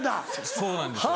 そうなんですよ。